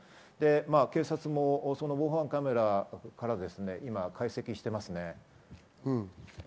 警察もその防犯カメラから解析をしています。